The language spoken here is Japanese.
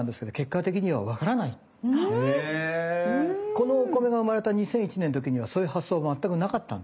このお米が生まれた２００１年の時にはそういう発想が全くなかったんですね。